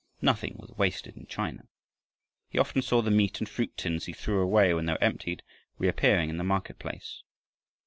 Nothing was wasted in China. He often saw the meat and fruit tins he threw away when they were emptied, reappearing in the market place.